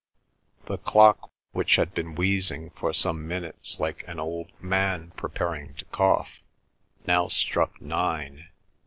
The clock, which had been wheezing for some minutes like an old man preparing to cough, now struck nine.